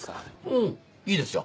うんいいですよ。